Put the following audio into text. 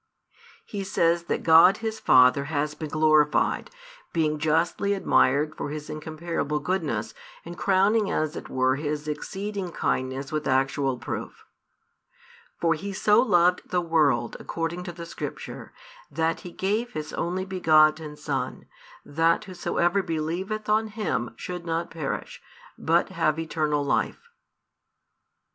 He says that God His Father has been glorified, being justly admired for His incomparable goodness and crowning as it were His exceeding kindness with actual proof. For He so loved the world according to the Scripture, that He gave His Only begotten Son, that whosoever believeth on Him should not perish, but have eternal life.